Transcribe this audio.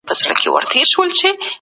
په خبرو کي به مو وزن او معنی وي.